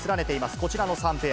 こちらの３ペア。